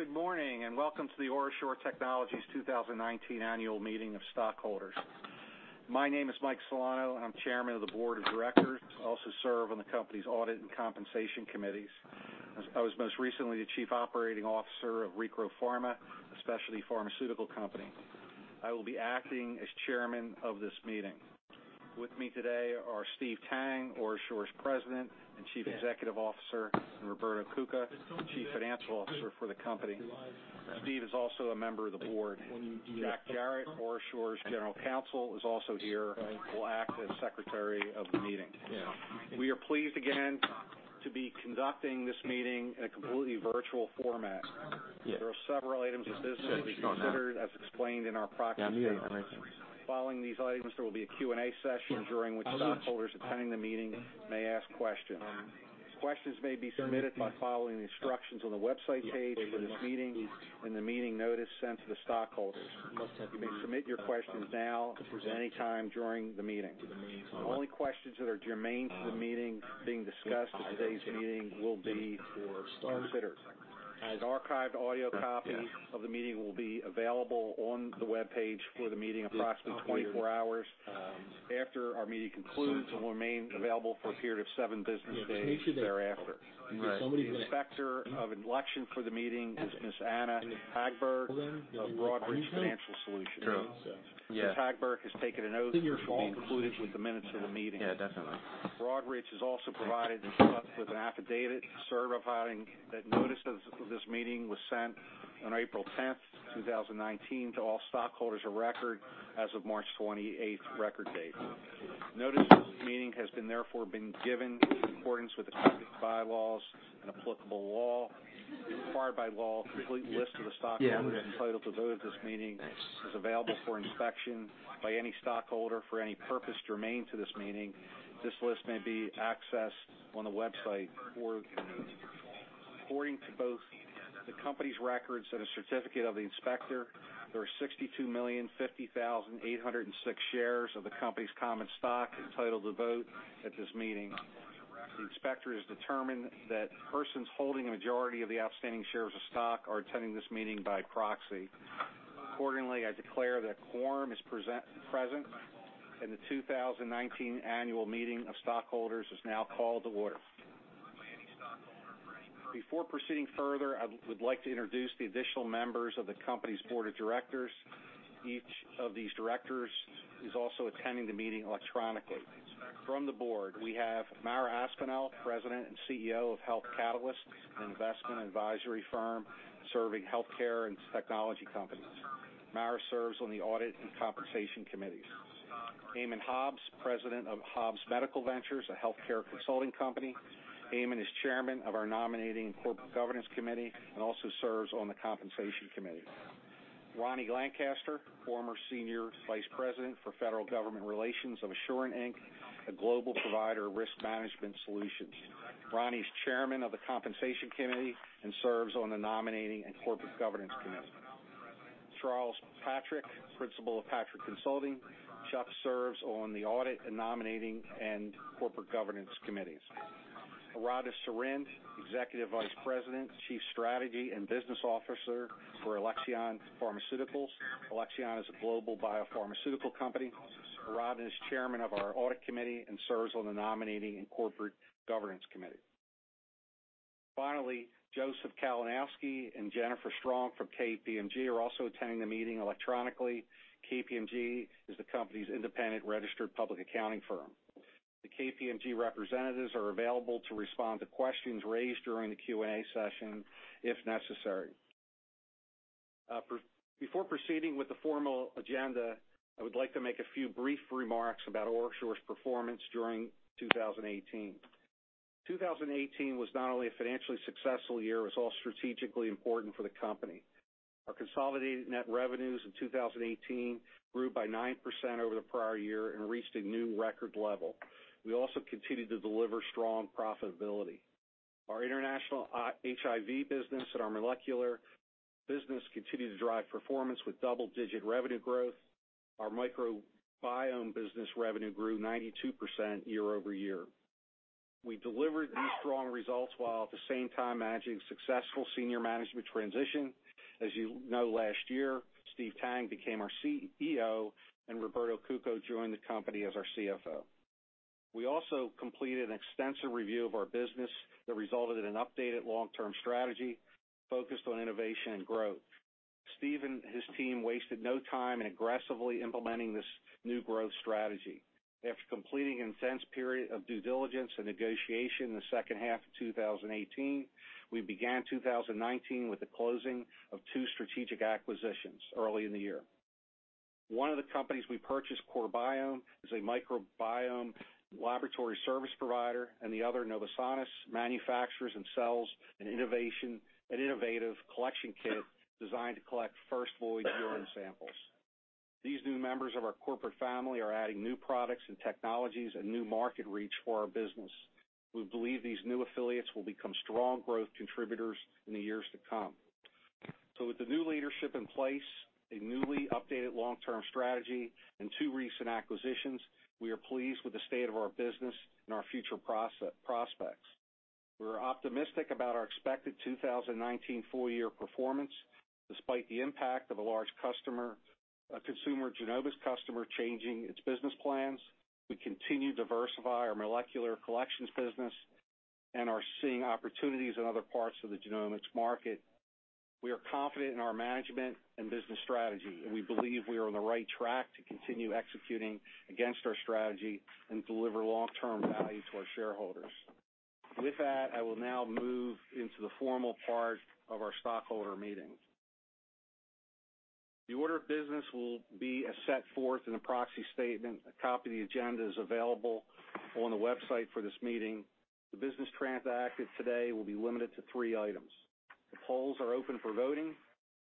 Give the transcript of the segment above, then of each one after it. Good morning, welcome to the OraSure Technologies 2019 Annual Meeting of Stockholders. My name is Mike Celano. I'm Chairman of the Board of Directors. I also serve on the company's audit and compensation committees. I was most recently the Chief Operating Officer of Recro Pharma, a specialty pharmaceutical company. I will be acting as chairman of this meeting. With me today are Steve Tang, OraSure's President and Chief Executive Officer, and Roberto Cuca, Chief Financial Officer for the company. Steve is also a member of the board. Jack Jerrett, OraSure's General Counsel, is also here and will act as Secretary of the meeting. We are pleased again to be conducting this meeting in a completely virtual format. There are several items of business that will be considered as explained in our proxy statement. Following these items, there will be a Q&A session during which stockholders attending the meeting may ask questions. Questions may be submitted by following the instructions on the website page for this meeting and the meeting notice sent to the stockholders. You may submit your questions now or any time during the meeting. Only questions that are germane to the meeting being discussed at today's meeting will be considered. An archived audio copy of the meeting will be available on the webpage for the meeting approximately 24 hours after our meeting concludes and will remain available for a period of seven business days thereafter. The Inspector of Election for the meeting is Ms. Anna Hagberg of Broadridge Financial Solutions. Ms. Hagberg has taken an oath which will be included with the minutes of the meeting. Broadridge has also provided us with an affidavit certifying that notice of this meeting was sent on April 10th, 2019, to all stockholders of record as of March 28th record date. Notice of this meeting has therefore been given in accordance with the company's bylaws and applicable law. Required by law, a complete list of the stockholders entitled to vote at this meeting is available for inspection by any stockholder for any purpose germane to this meeting. This list may be accessed on the website. According to both the company's records and a certificate of the inspector, there are 62,050,806 shares of the company's common stock entitled to vote at this meeting. The inspector has determined that persons holding a majority of the outstanding shares of stock are attending this meeting by proxy. I declare that a quorum is present. The 2019 Annual Meeting of Stockholders is now called to order. Before proceeding further, I would like to introduce the additional members of the company's board of directors. Each of these directors is also attending the meeting electronically. From the board, we have Mara Aspinall, President and CEO of Health Catalysts Group, an investment advisory firm serving healthcare and technology companies. Mara serves on the audit and compensation committees. Eamonn Hobbs, President of Hobbs Medical Ventures, a healthcare consulting company. Eamonn is Chairman of our nominating corporate governance committee and also serves on the compensation committee. Ronny Lancaster, former Senior Vice President for Federal Government Relations of Assurant, Inc., a global provider of risk management solutions. Ronny's Chairman of the compensation committee and serves on the nominating and corporate governance committee. Charles Patrick, Principal of Patrick Consulting. Chuck serves on the audit and nominating and corporate governance committees. Aradhana Sarin, Executive Vice President, Chief Strategy and Business Officer for Alexion Pharmaceuticals. Alexion is a global biopharmaceutical company. Arada is Chairman of our audit committee and serves on the nominating and corporate governance committee. Finally, Joseph Kalinowski and Jennifer Strong from KPMG are also attending the meeting electronically. KPMG is the company's independent registered public accounting firm. The KPMG representatives are available to respond to questions raised during the Q&A session if necessary. Before proceeding with the formal agenda, I would like to make a few brief remarks about OraSure's performance during 2018. 2018 was not only a financially successful year, it was also strategically important for the company. Our consolidated net revenues in 2018 grew by 9% over the prior year and reached a new record level. We also continued to deliver strong profitability. Our international HIV business and our molecular business continued to drive performance with double-digit revenue growth. Our microbiome business revenue grew 92% year-over-year. We delivered these strong results while at the same time managing a successful senior management transition. As you know, last year, Steve Tang became our CEO, and Roberto Cuca joined the company as our CFO. We also completed an extensive review of our business that resulted in an updated long-term strategy focused on innovation and growth. Steve and his team wasted no time in aggressively implementing this new growth strategy. After completing an intense period of due diligence and negotiation in the second half of 2018, we began 2019 with the closing of two strategic acquisitions early in the year. One of the companies we purchased, CoreBiome, is a microbiome laboratory service provider, and the other, Novosanis, manufactures and sells an innovative collection kit designed to collect first void urine samples. These new members of our corporate family are adding new products and technologies and new market reach for our business. We believe these new affiliates will become strong growth contributors in the years to come. With the new leadership in place, a newly updated long-term strategy, and two recent acquisitions, we are pleased with the state of our business and our future prospects. We're optimistic about our expected 2019 full-year performance, despite the impact of a large consumer genomics customer changing its business plans. We continue to diversify our molecular collections business and are seeing opportunities in other parts of the genomics market. We are confident in our management and business strategy, and we believe we are on the right track to continue executing against our strategy and deliver long-term value to our shareholders. With that, I will now move into the formal part of our stockholder meeting. The order of business will be as set forth in the proxy statement. A copy of the agenda is available on the website for this meeting. The business transacted today will be limited to three items. The polls are open for voting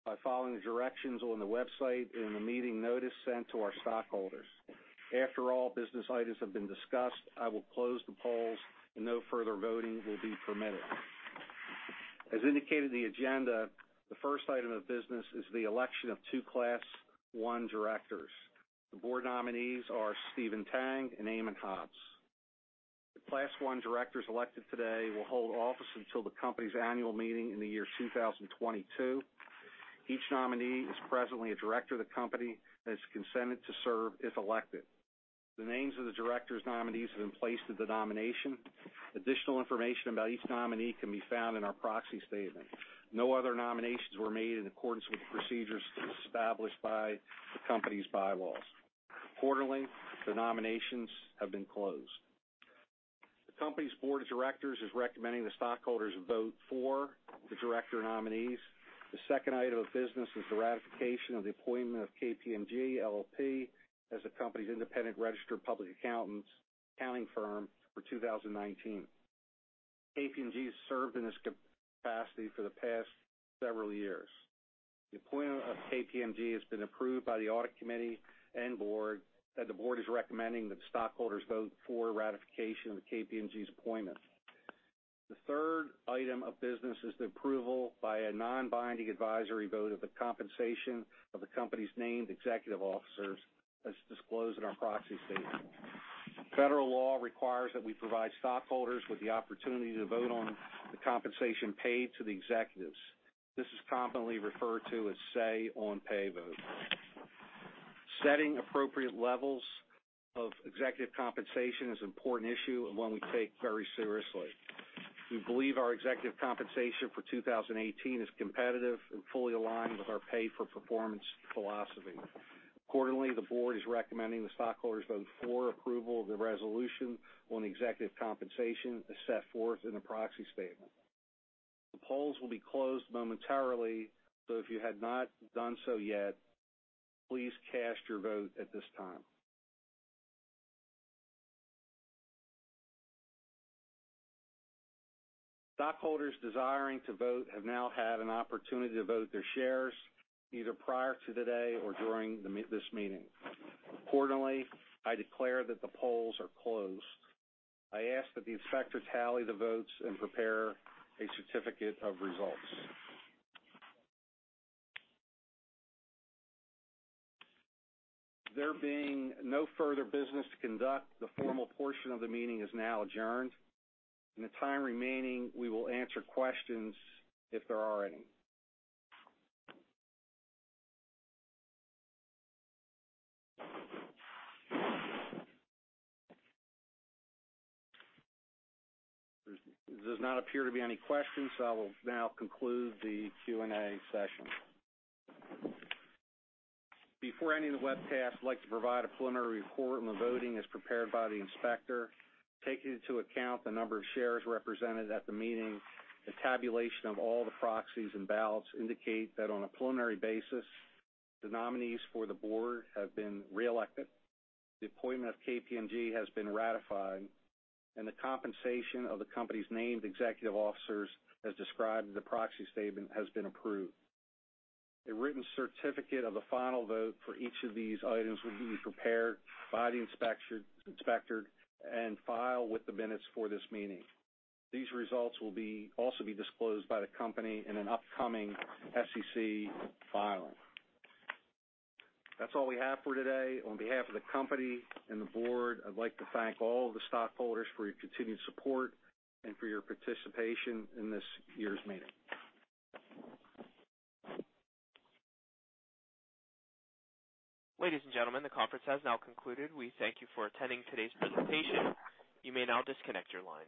by following the directions on the website in the meeting notice sent to our stockholders. After all business items have been discussed, I will close the polls, and no further voting will be permitted. As indicated in the agenda, the first item of business is the election of two Class I directors. The board nominees are Stephen Tang and Eamonn Hobbs. The Class I directors elected today will hold office until the company's annual meeting in the year 2022. Each nominee is presently a director of the company, and has consented to serve if elected. The names of the directors nominees have been placed at the nomination. Additional information about each nominee can be found in our proxy statement. No other nominations were made in accordance with the procedures established by the company's bylaws. The nominations have been closed. The company's board of directors is recommending the stockholders vote for the director nominees. The second item of business is the ratification of the appointment of KPMG LLP as the company's independent registered public accounting firm for 2019. KPMG has served in this capacity for the past several years. The appointment of KPMG has been approved by the audit committee and board, the board is recommending that the stockholders vote for ratification of KPMG's appointment. The third item of business is the approval by a non-binding advisory vote of the compensation of the company's named executive officers, as disclosed in our proxy statement. Federal law requires that we provide stockholders with the opportunity to vote on the compensation paid to the executives. This is commonly referred to as Say on Pay vote. Setting appropriate levels of executive compensation is an important issue, and one we take very seriously. We believe our executive compensation for 2018 is competitive and fully aligned with our pay-for-performance philosophy. The board is recommending the stockholders vote for approval of the resolution on the executive compensation as set forth in the proxy statement. The polls will be closed momentarily, if you have not done so yet, please cast your vote at this time. Stockholders desiring to vote have now had an opportunity to vote their shares, either prior to today or during this meeting. I declare that the polls are closed. I ask that the inspector tally the votes and prepare a certificate of results. There being no further business to conduct, the formal portion of the meeting is now adjourned. In the time remaining, we will answer questions if there are any. There does not appear to be any questions, I will now conclude the Q&A session. Before ending the webcast, I'd like to provide a preliminary report on the voting as prepared by the inspector. Taking into account the number of shares represented at the meeting, the tabulation of all the proxies and ballots indicate that on a preliminary basis, the nominees for the board have been re-elected, the appointment of KPMG has been ratified, and the compensation of the company's named executive officers, as described in the proxy statement, has been approved. A written certificate of the final vote for each of these items will be prepared by the inspector and filed with the minutes for this meeting. These results will also be disclosed by the company in an upcoming SEC filing. That's all we have for today. On behalf of the company and the board, I'd like to thank all of the stockholders for your continued support and for your participation in this year's meeting. Ladies and gentlemen, the conference has now concluded. We thank you for attending today's presentation. You may now disconnect your lines.